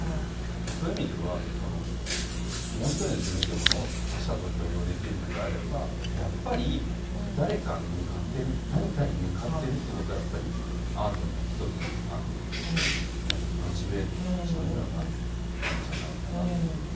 そういう意味ではもう一人の自分っていうものを他者と許容できるのであればやっぱり誰かに向かってる何かに向かってるってことはやっぱりアートの一つの何て言うのモチベーションにはなるんじゃないかなと思います。